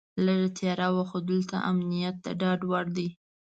لږه تیاره وه خو دلته امنیت د ډاډ وړ دی.